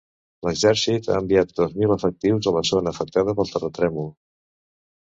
L'exèrcit ha enviat dos mil efectius a la zona afectada pel terratrèmol.